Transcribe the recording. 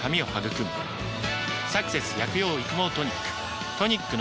「サクセス薬用育毛トニック」